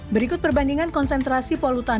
berikut perbandingan konsentrasi polutan